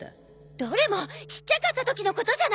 どれもちっちゃかったときのことじゃない！